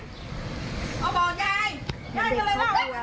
แอร์ลองไห้ลงมาใช่ไหมเมื่อเช้าเนี้ยลองไห้ลงมาว่าเจ็บหลัง